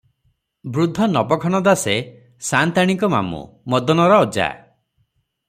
ବୃଦ୍ଧ ନବଘନ ଦାସେ ସାନ୍ତାଣୀଙ୍କ ମାମୁ, ମଦନର ଅଜା ।